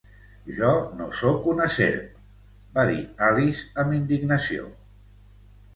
"Jo no sóc una serp!" -va dir Alice amb indignació.